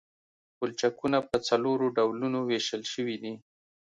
پلچکونه په څلورو ډولونو ویشل شوي دي